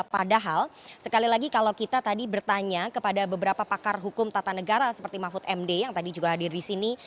padahal sekali lagi kalau kita tadi bertanya kepada beberapa pakar hukum tata negara seperti mahfud md yang tadi juga hadir di sini